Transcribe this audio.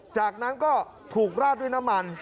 จากนั้นก็ถูกราดด้วยน้ำมัน